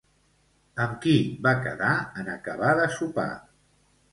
Amb qui va quedar en acabar de sopar?